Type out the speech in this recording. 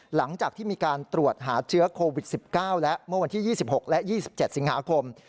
หลังจากที่มีการตรวจหาเชื้อโควิด๑๙และเมื่อวันที่๒๖และ๒๗สิงหาคม